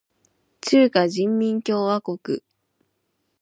中華人民共和国